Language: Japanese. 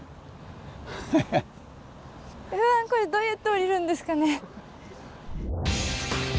これどうやって降りるんですかね。